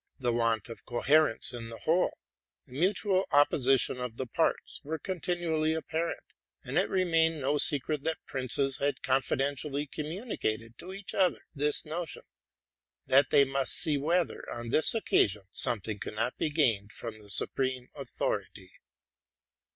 The — CCC a eS RELATING TO MY LIFE. 127 yant of coherence in the whole, the mutual opposition of the parts, were continually apparent; and it remained no secret that princes had confidentially communicated to each other this notion, that they must see whether, on this occasion, something could not be gained from the supreme authority.